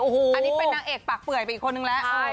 อันนี้เป็นนางเอกปากเปื่อยไปอีกคนนึงแล้ว